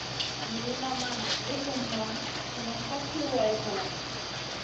Lìna ma na guzumah sumun ka ci way kalamu.